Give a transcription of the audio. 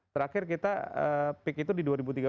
terakhir kita peak itu di dua ribu tiga belas